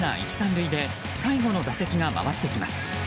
１、３塁で最後の打席が回ってきます。